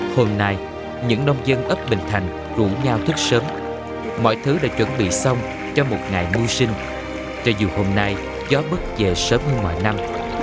hôm nay những nông dân ấp bình thành rủ nhau thức sớm mọi thứ đã chuẩn bị xong cho một ngày mưu sinh cho dù hôm nay gió bứt về sớm hơn ngoài năm